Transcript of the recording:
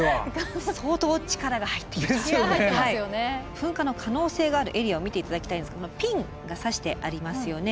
噴火の可能性があるエリアを見て頂きたいんですがピンが刺してありますよね。